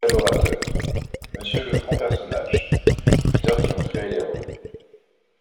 COLLABORATEUR : Monsieur LEFRANC PERSONNAGES Acteurs qui ont créé les rôles.